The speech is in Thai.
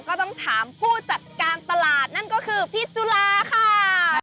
ก็ต้องถามผู้จัดการตลาดนั่นก็คือพี่จุฬาค่ะ